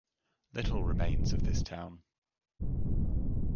Little remains of this town.